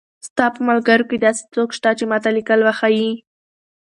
ستا په ملګرو کښې داسې څوک شته چې ما ته ليکل وښايي